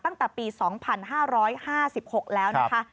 ตั้งแต่ปี๒๕๕๖แล้วนะคะ